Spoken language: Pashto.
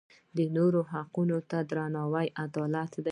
د نورو حقونو ته درناوی عدالت دی.